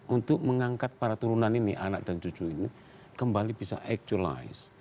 untuk mengangkat para turunan ini anak dan cucu ini kembali bisa actulized